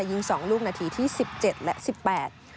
ยิงสองลูกนาทีที่สิบเจ็ดและสิบแปด